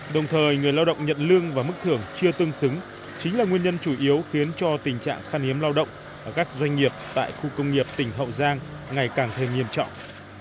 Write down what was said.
đồng thời người lao động nhận lương và mức thưởng chưa tương xứng chính là nguyên nhân chủ yếu khiến cho tình trạng khăn hiếm lao động ở các doanh nghiệp tại khu công nghiệp tỉnh hậu giang ngày càng thêm nghiêm trọng